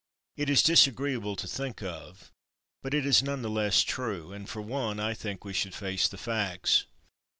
It is disagreeable to think of, but it is none the less true, and for one I think we should face the facts.